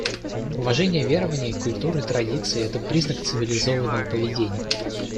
Уважение верований, культур и традиций — это признак цивилизованного поведения.